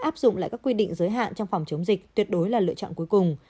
áp dụng lại các quy định giới hạn trong phòng chống dịch tuyệt đối là lựa chọn cuối cùng